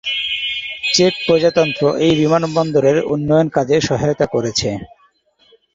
Check প্রজাতন্ত্র এই বিমানবন্দরের উন্নয়ন কাজে সহায়তা করেছে।